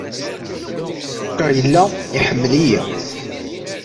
Cukkeɣ yella iḥemmel-iyi.